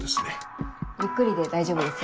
ゆっくりで大丈夫ですよ。